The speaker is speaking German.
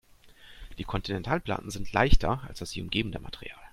Die Kontinentalplatten sind leichter als das sie umgebende Material.